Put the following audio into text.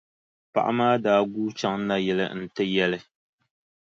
Paɣa maa daa guui chaŋ nayili n-ti yɛli.